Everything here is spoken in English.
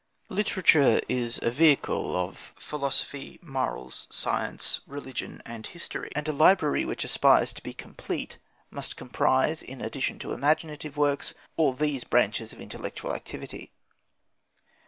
Literature is the vehicle of philosophy, science, morals, religion, and history; and a library which aspires to be complete must comprise, in addition to imaginative works, all these branches of intellectual activity.